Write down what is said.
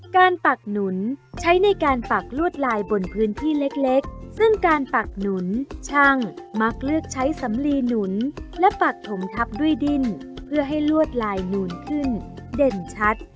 ปักหนุนใช้ในการปักลวดลายบนพื้นที่เล็กซึ่งการปักหนุนช่างมักเลือกใช้สำลีหนุนและปักถมทับด้วยดิ้นเพื่อให้ลวดลายนูนขึ้นเด่นชัด